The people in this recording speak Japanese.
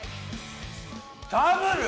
ダブル？